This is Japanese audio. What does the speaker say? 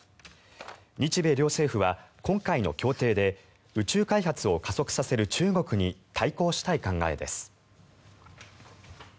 日米両政府は今回の協定で宇宙開発を加速させる中国に対抗したい考えです。